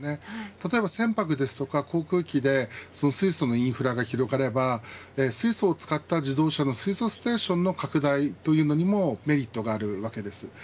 例えば船舶や航空機で水素のインフラが広がれば水素を使った自動車の水素ステーションの拡大にもメリットがあるわけです。